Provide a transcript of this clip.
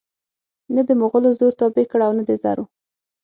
نه دمغلو زور تابع کړ او نه زرو